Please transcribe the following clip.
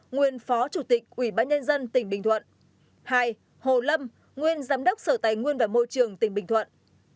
hai nguyễn phó chủ tịch ủy bãi nhen dân tỉnh bình thuận hai hồ lâm nguyên giám đốc sở tài nguyên và môi trường tỉnh bình thuận